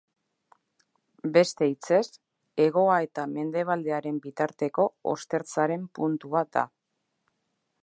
Beste hitzez, hegoa eta mendebaldearen bitarteko ostertzaren puntua da.